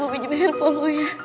gue pinjamin handphonenya